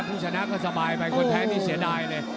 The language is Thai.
ผู้ชนะก็สบายไปคนแพ้นี่เสียดายเลย